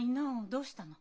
どうしたの？